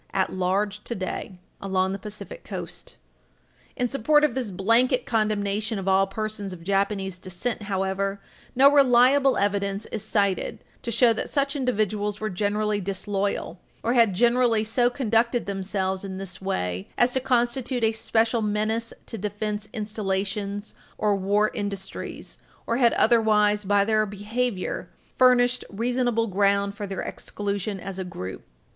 . at large today" along the Pacific Coast. [Footnote 3/2] In support of this blanket condemnation of all persons of Japanese descent, however, no reliable evidence is cited to show that such individuals were generally disloyal, [Footnote 3/3] or had generally so conducted themselves in this area as to constitute a special menace to defense installations or war industries, or had otherwise, by their behavior, furnished reasonable ground for their exclusion as a group.